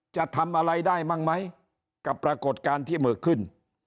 จะทำอะไรได้มั่งไหมกับปรากฏการณ์ที่เหมือขึ้น